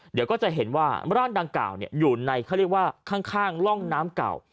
เดี๋ยวก็จะเห็นว่าร่างดังกล่าวอยู่ในเขาเรียกว่าข้างร่องน้ำเก่า